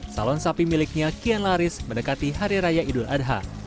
salon sapi miliknya kian laris mendekati hari raya idul adha